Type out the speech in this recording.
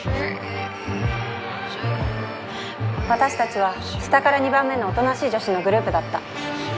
私たちは下から二番目の「大人しい女子」のグループだった。